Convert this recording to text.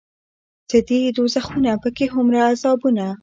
څه دي دوزخونه پکې هومره عذابونه